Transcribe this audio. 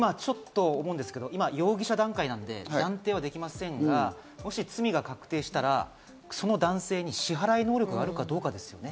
今、容疑者段階なので、断定はできませんが、もし罪が確定したら、その男性に支払い能力があるかどうかですね。